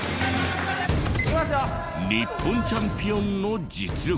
日本チャンピオンの実力は？